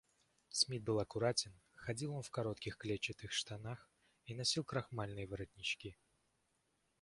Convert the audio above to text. Смит был аккуратен; ходил он в коротких клетчатых штанах и носил крахмальные воротнички.